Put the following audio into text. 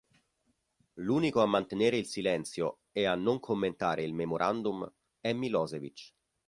L'unico a mantenere il silenzio e a non commentare il memorandum è Milošević.